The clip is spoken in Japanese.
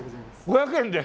５００円で！？